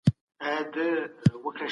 لوستې مور د ماشومانو د لاسونو وينځل څاري.